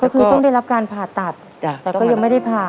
ก็คือต้องได้รับการผ่าตัดแต่ก็ยังไม่ได้ผ่า